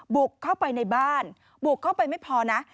บุกเข้าไปในบ้านบุกเข้าไปไม่พอนะ